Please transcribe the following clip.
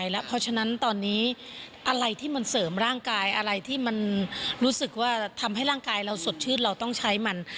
เพราะฉะนั้นตอนนี้อะไรที่มันเสริมร่างกายอะไรที่มันรู้สึกว่าทำให้ร่างกายเราสดชื่นเราต้องใช้มัน